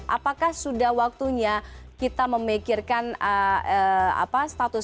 apakah sudah waktunya kita memikirkan status